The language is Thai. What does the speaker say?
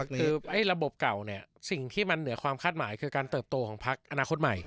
คือระบบเก่าเนี่ยสิ่งที่มันเหนือความคาดหมายคือการเติบโตของพักอนาคตใหม่